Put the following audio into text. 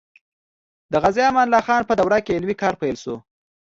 د غازي امان الله خان په دوره کې علمي کار پیل شو.